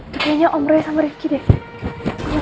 kayaknya om raya sama rifki deh